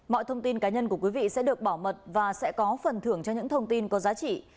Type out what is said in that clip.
mọi thông tin cá nhân của quý vị sẽ được bảo mật và sẽ có phần thưởng cho những thông tin có giá trị